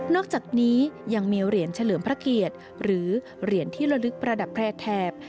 อกจากนี้ยังมีเหรียญเฉลิมพระเกียรติหรือเหรียญที่ละลึกประดับแพร่แถบ